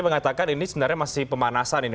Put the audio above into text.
mengatakan ini sebenarnya masih pemanasan ini